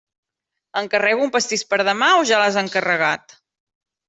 Encarrego un pastís per demà o ja l'has encarregat?